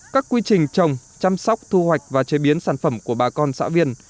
các quy trình trồng chăm sóc thu hoạch và chế biến sản phẩm của bà con xã viên